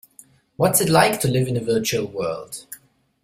What's it like to live in a virtual world?